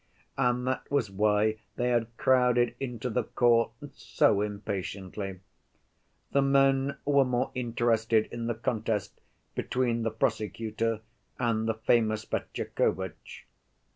And that was why they had crowded into the court so impatiently. The men were more interested in the contest between the prosecutor and the famous Fetyukovitch.